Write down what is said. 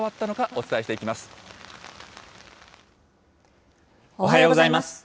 おはようございます。